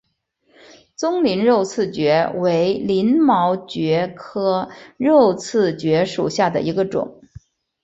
棕鳞肉刺蕨为鳞毛蕨科肉刺蕨属下的一个种。